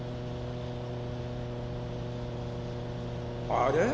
あれ？